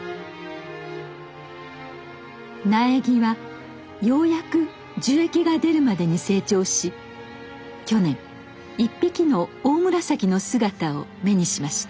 苗木はようやく樹液が出るまでに成長し去年１匹のオオムラサキの姿を目にしました。